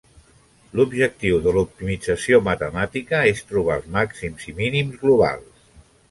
L'objectiu de l'optimització matemàtica és trobar els màxims i mínims globals.